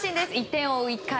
１点を追う４回。